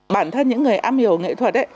bản thân những người am hiểu nghệ thuật